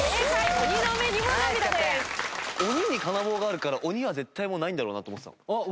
鬼に金棒があるから鬼は絶対もうないんだろうなと思ってた。